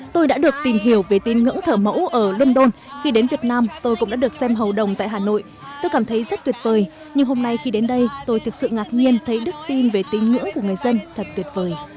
tôi đã được tìm hiểu về tín ngưỡng thở mẫu ở london khi đến việt nam tôi cũng đã được xem hầu đồng tại hà nội tôi cảm thấy rất tuyệt vời nhưng hôm nay khi đến đây tôi thực sự ngạc nhiên thấy đức tin về tín ngưỡng của người dân thật tuyệt vời